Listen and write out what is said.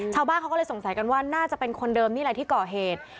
ชาวบ้านเขาก็เลยสงสัยกันว่าน่าจะเป็นคนเดิมนี่แหละที่ก่อเหตุ